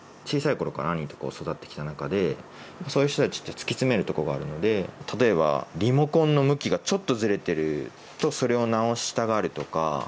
小さいころから兄と育ってきた中でそういう人たちって突き詰めるところがあるので例えばリモコンの向きがちょっとずれてるとそれを直したがるとか。